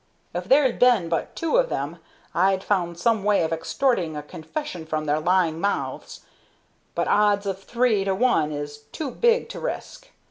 If there'd been but two of them I'd found some way of extorting a confession from their lying mouths, but odds of three to one is too big to risk.